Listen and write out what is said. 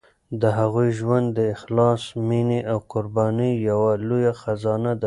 د هغوی ژوند د اخلاص، مینې او قربانۍ یوه لویه خزانه ده.